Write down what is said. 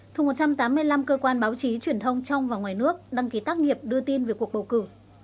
thu một trăm tám mươi năm cơ quan báo chí truyền thông trong và ngoài nước đăng ký tác nghiệp đưa tin về cuộc bầu cử